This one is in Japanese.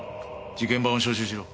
事件番を招集しろ。